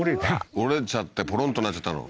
折れちゃってポロンとなっちゃったの？